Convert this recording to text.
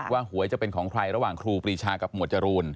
ว่าหวยจะเป็นของใคร